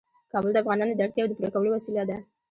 کابل د افغانانو د اړتیاوو د پوره کولو وسیله ده.